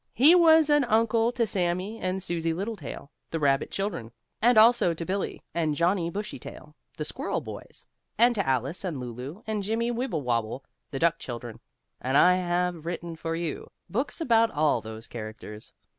He was an Uncle to Sammie and Susie Littletail, the rabbit children, and also to Billie and Johnnie Bushytail, the squirrel boys, and to Alice and Lulu and Jimmie Wibblewobble, the duck children, and I have written for you, books about all those characters.